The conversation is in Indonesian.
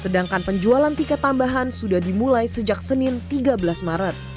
sedangkan penjualan tiket tambahan sudah dimulai sejak senin tiga belas maret